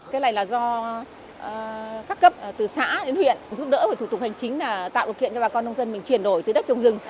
cái này là do các cấp từ xã đến huyện giúp đỡ về thủ tục hành chính là tạo điều kiện cho bà con nông dân mình chuyển đổi từ đất trồng rừng